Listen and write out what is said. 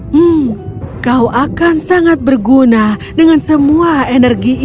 hmm kau akan sangat berguna dengan semua energi ini